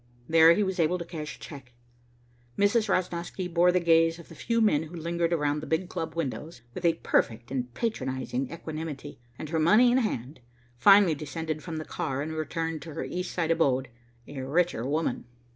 There he was able to cash a check. Mrs. Rosnosky bore the gaze of the few men who lingered around the big club windows with a perfect and patronizing equanimity, and, her money in hand, finally descended from the car and returned to her East Side abode, a richer woman.